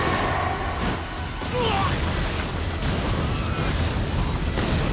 うわぁっ！！